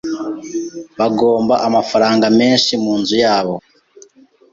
Bagomba amafaranga menshi munzu yabo.